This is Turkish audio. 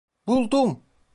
Buldum!